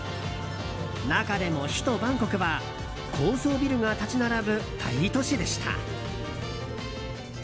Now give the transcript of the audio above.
中でも、首都バンコクは高層ビルが立ち並ぶ大都市でした。